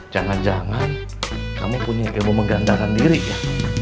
jangan jangan kamu punya ilmu menggandalkan diri ya